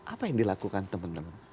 apa yang dilakukan teman teman